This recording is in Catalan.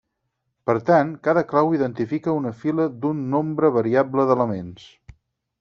Per tant, cada clau identifica una fila d'un nombre variable d'elements.